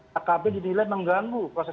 kkb dinilai mengganggu proses